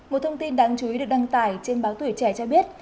một thông tin đáng chú ý được đăng tải trên báo tuổi trẻ cho biết